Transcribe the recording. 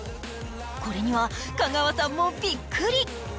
これには香川さんもびっくり。